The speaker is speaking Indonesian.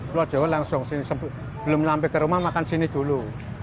pulau jawa langsung belum sampai ke rumah makan sini dulu